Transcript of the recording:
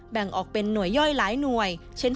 แบ่งออกเป็นหน่วยย่อยหลายหน่วยเช่น